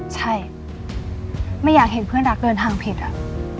ใช่ไม่อยากเห็นเพื่อนรักเดินทางผิดอะ